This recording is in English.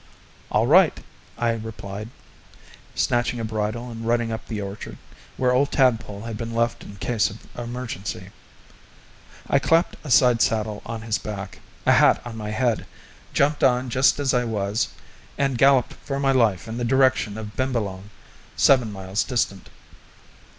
"All right," I replied, snatching a bridle and running up the orchard, where old Tadpole had been left in case of emergency. I clapped a side saddle on his back, a hat on my head, jumped on just as I was, and galloped for my life in the direction of Bimbalong, seven miles distant.